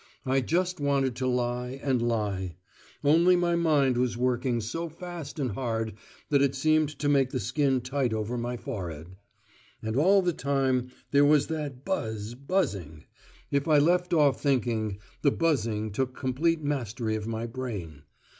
I just wanted to lie, and lie: only my mind was working so fast and hard that it seemed to make the skin tight over my forehead. And all the time there was that buzz, buzzing. If I left off thinking, the buzzing took complete mastery of my brain.